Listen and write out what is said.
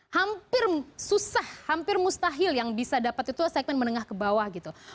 hampir susah hampir mustahil yang bisa dapat itu segmen menengah ke bawah gitu